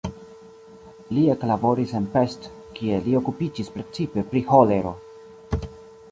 Li eklaboris en Pest, kie li okupiĝis precipe pri ĥolero.